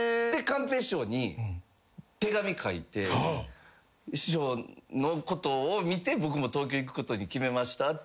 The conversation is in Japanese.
寛平師匠に手紙書いて「師匠のことを見て僕も東京行くことに決めました」